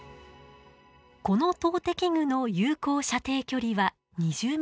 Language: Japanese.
この投擲具の有効射程距離は２０ｍくらい。